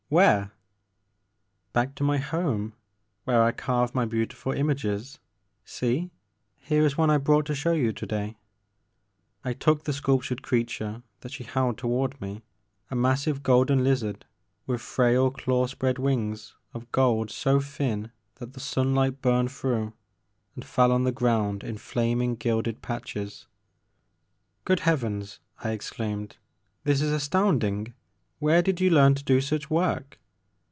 — where?'' " Back to my home where I carve my beauti ful images ; sfee, here is one I brought to show you to day.'* I took the sculptured creature that she held to ward me, a massive golden lizard with frail claw spread wings of gold so thin that the sunlight burned through and fell on the ground in flam ing gilded patches. Good Heavens !" I exclaimed, this is as tounding ! Where did you learn to do such work